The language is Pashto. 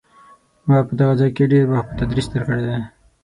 ما په دغه ځای کې ډېر وخت په تدریس تېر کړی دی.